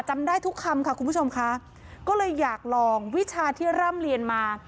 จำได้ทุกคำค่ะคุณผู้ชมค่ะก็เลยอยากลองวิชาที่ร่ำเรียนมา